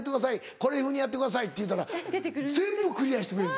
これ風にやってください」って言うたら全部クリアしてくれる。